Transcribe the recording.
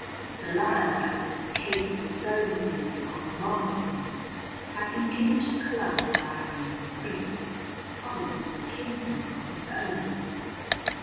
The land, as was the case with so many of the old monasteries, had been given to Columba by a reigning prince, probably a kinsman of his own.